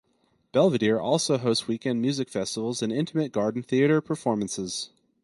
Belvedere also hosts weekend music festivals, and intimate garden theatre performances.